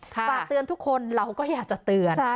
ฝากเตือนทุกคนเราก็อยากจะเตือน